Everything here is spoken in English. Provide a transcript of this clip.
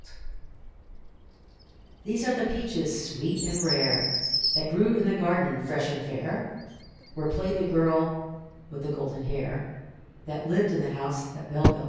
These are the peaches sweet and rare, That grew in the garden fresh and fair, Where played the girl with the golden hair, That lived in the house that Bell built.